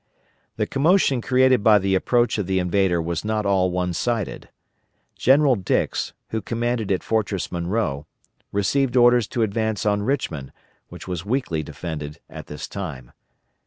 The commotion created by the approach of the invader was not all one sided. General Dix, who commanded at Fortress Monroe, received orders to advance on Richmond, which was weakly defended at this time.